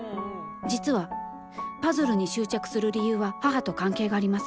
実はパズルに執着する理由は母と関係があります。